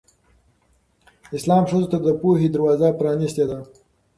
اسلام ښځو ته د پوهې دروازه پرانستې ده.